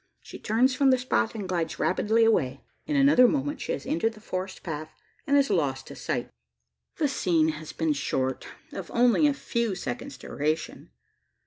she turns from the spot, and glides rapidly away. In another moment she has entered the forest path, and is lost to the sight. The scene has been short of only a few seconds' duration.